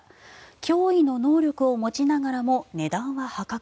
驚異の能力を持ちながらも値段は破格。